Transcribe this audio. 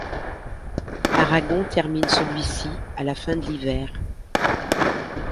Aragon termine celui-ci à la fin de l'hiver.